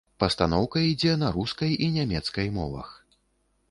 Пастаноўка ідзе на рускай і нямецкай мовах.